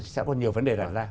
sẽ có nhiều vấn đề đặt ra